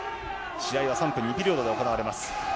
試合は３分２ピリオドで行われます。